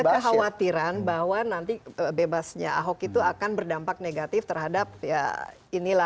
ada kekhawatiran bahwa nanti bebasnya ahok itu akan berdampak negatif terhadap ya inilah